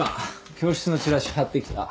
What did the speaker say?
教室のチラシ張ってきた。